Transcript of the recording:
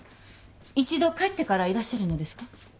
一度帰ってからいらっしゃるのですか？